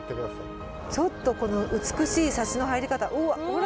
ちょっとこの美しいサシの入り方うわほら。